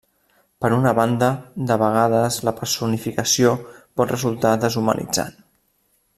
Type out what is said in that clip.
Per una banda, de vegades la personificació pot resultar deshumanitzant.